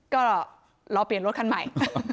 ก็รอเปลี่ยนรถคันใหม่